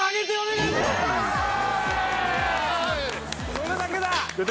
・それだけだ！